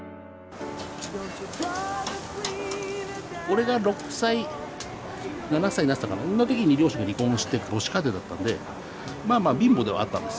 俺が６歳７歳になってたかなの時に両親が離婚して母子家庭だったんでまあまあ貧乏ではあったんです。